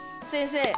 先生。